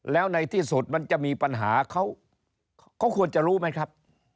แล้วในที่สุดมันจะมีปัญหาเขาควรจะรู้ไหมครับ